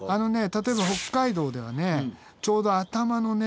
例えば北海道ではちょうど頭のね